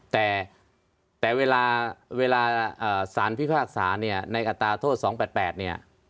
แต่เวลาสารพิพากษาเนี่ยในอัตราโทษ๒๘๘เนี่ย